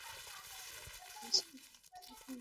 মস্কোর art theatre এবং Bolshoi theatre দেখেছিলেন তিনি।